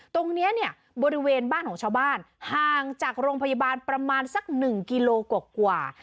ตรงนี้เนี่ยบริเวณบ้านของชาวบ้านห่างจากโรงพยาบาลประมาณสัก๑กิโลกว่า